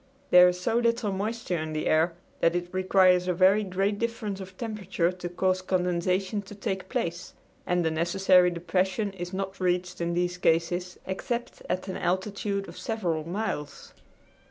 There is so little moisture in the air that it requires a very great difference of temperature to cause condensation to take place, and the necessary depression is not reached in these cases except at an altitude of several miles.